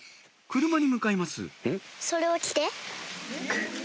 車に向かいます